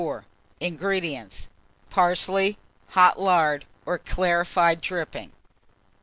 INGREDIENTS. Parsley, hot lard or clarified dripping.